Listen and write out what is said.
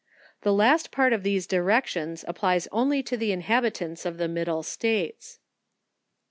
The last part of these directions, applies only to the inhabitants of the middle states.